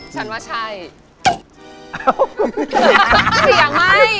ฉันว่าจริงฉันว่าใช่